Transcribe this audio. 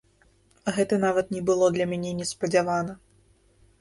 Гэта нават не было для мяне неспадзявана.